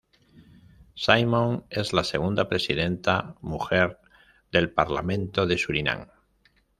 Simons es la segunda presidenta mujer del Parlamento de Surinam.